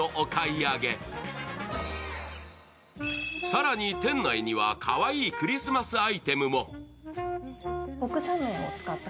更に、店内にはかわいいクリスマスアイテムも。